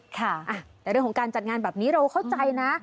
ค่ะแต่เรื่องของการจัดงานแบบนี้เราเข้าใจนะ